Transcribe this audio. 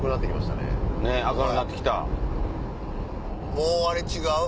もうあれ違う？